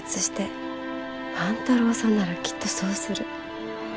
万太郎さんならきっとそうする。